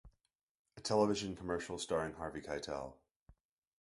A television commercial starring Harvey Keitel.